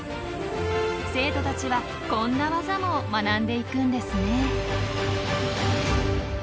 生徒たちはこんなワザも学んでいくんですね。